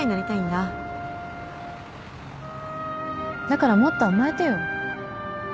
だからもっと甘えてよ。